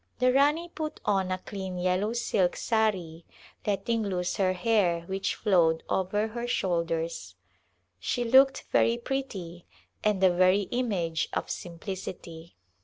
The Rani put on a clean yellow silk sari^ letting loose her hair which flowed over her shoulders. She looked very pretty and the very image of simplicity.